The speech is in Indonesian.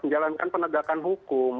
menjalankan penegakan hukum